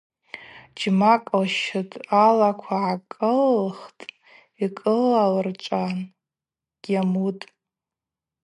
Джьмакӏ лщытӏ, алаква гӏакӏылылхтӏ йкӏылалырчӏван – йгьамуытӏ.